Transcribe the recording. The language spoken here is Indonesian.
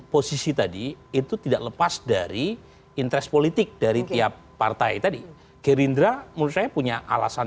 posisi tadi itu tidak lepas dari interest politik dari tiap partai tadi gerindra menurut saya punya alasan